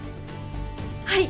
はい。